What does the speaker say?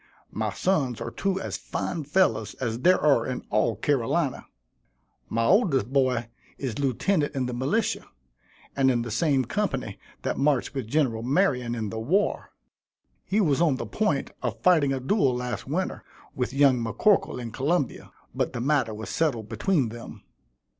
My sons are two as fine fellows as there are in all Carolina. My oldest boy is lieutenant in the militia, and in the same company that marched with Gen. Marion in the war. He was on the point of fighting a duel last winter, with young M'Corkle in Columbia; but the matter was settled between them.